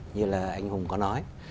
như là anh hùng có nói